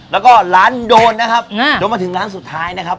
แล้วก็ร้านโดนนะครับโดนมาถึงร้านสุดท้ายนะครับ